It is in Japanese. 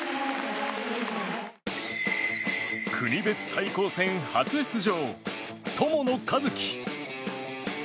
国別対抗戦初出場、友野一希。